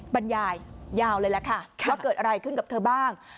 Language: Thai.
บรรยายยาวเลยแหละค่ะว่าเกิดอะไรขึ้นกับเธอบ้าง